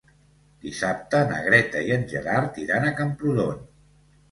Dissabte na Greta i en Gerard iran a Camprodon.